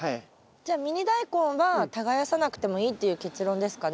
じゃあミニダイコンは耕さなくてもいいっていう結論ですかね？